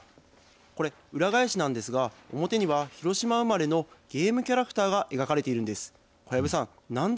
これ、裏返しなんですが、表には広島生まれのゲームキャラクターが描かれているんです。